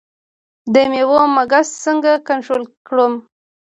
د میوو مګس څنګه کنټرول کړم؟